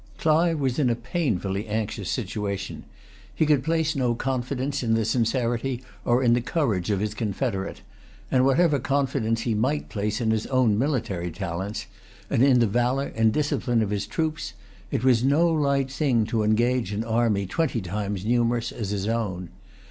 Clive was in a painfully anxious situation. He could place no confidence in the sincerity or in the courage of his confederate; and, whatever confidence he might place in his own military talents, and in the valour and discipline of his troops, it was no light thing to engage an army twenty times numerous as his own.